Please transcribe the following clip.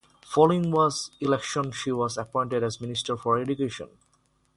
Following the election she was appointed as Minister for Education.